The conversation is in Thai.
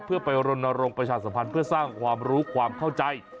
เพื่อไปรณรงค์ประชาสัมพันธ์เพื่อสร้างความรู้ความเข้าใจ